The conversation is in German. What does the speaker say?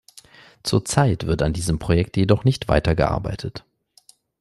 Zurzeit wird an diesem Projekt jedoch nicht weitergearbeitet.